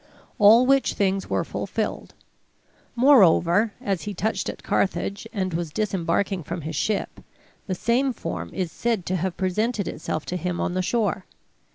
All which things were fulfilled. Moreover, as he touched at Carthage, and was disembarking from his ship, the same form is said to have presented itself to him on the shore.